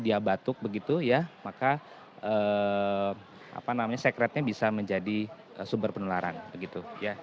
dia batuk begitu ya maka sekretnya bisa menjadi sumber penularan begitu ya